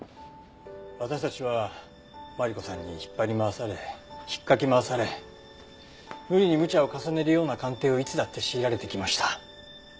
私たちはマリコさんに引っ張り回され引っかき回され無理にむちゃを重ねるような鑑定をいつだって強いられてきました。